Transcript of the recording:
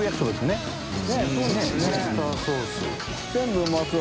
管うまそう。